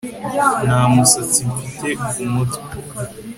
Nta musatsi mfite ku mutwe